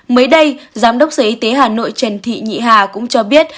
mới đây giám đốc sở y tế hà nội trần thị nhị hà cũng cho biết